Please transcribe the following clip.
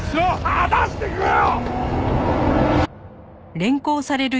離してくれよ！